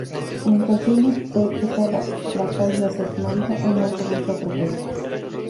Mientras Juliet ve cruzar la calle a su ex-marido, un autobús lo atropella.